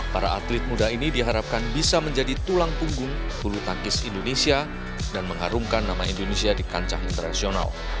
para atlet muda ini diharapkan bisa menjadi tulang punggung bulu tangkis indonesia dan mengharumkan nama indonesia di kancah internasional